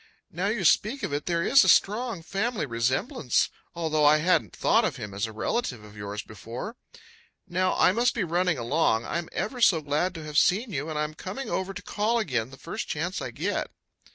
"Now you speak of it, there is a strong family resemblance, although I hadn't thought of him as a relative of yours before. Now I must be running along. I'm ever so glad to have seen you, and I'm coming over to call again the first chance I get."